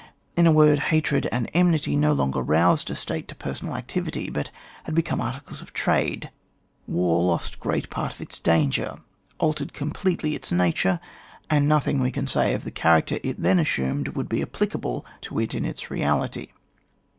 In a word, hatred and enmity no longer roused a state to per sonal activity, but had become artideB of trade; war lost great part of its danger, altered completely its nature, and nothing we can say of the character it then assumed, would be applicable to it in its reality.